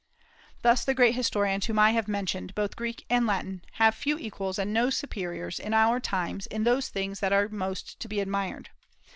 Thus the great historians whom I have mentioned, both Greek and Latin, have few equals and no superiors in our own times in those things that are most to be admired.